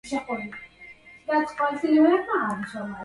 قل للألى حرموني إذ مدحتهم